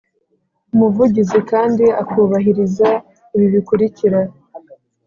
Umuvugizi kandi akubahiriza ibi bikurikira